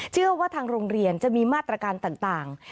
เชื่อว่าทางโรงเรียนจะมีมาตรการต่าง